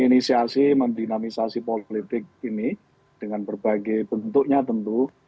inisiasi mendinamisasi politik ini dengan berbagai bentuknya tentu